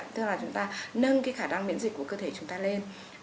tức là chúng ta nâng cái khả năng miễn dịch của cơ thể chúng ta lên